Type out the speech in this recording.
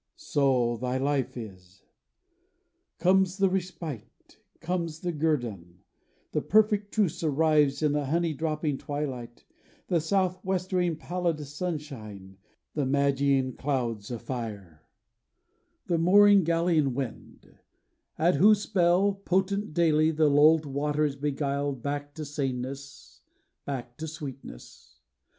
So thy life is. Comes the respite, comes the guerdon; The perfect truce arrives In the honey dropping twilight, The southwestering pallid sunshine, The magian clouds a fire, The mooring galleon wind: At whose spell, Potent daily, The lulled water is beguiled Back to saneness, back to sweetness.